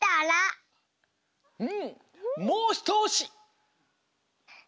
うんもうひとおし！